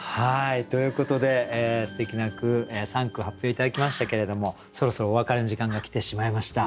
ということですてきな句３句発表頂きましたけれどもそろそろお別れの時間が来てしまいました。